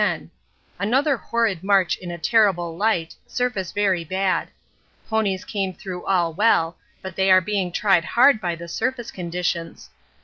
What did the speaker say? Monday, November 13. Camp 10. Another horrid march in a terrible light, surface very bad. Ponies came through all well, but they are being tried hard by the surface conditions.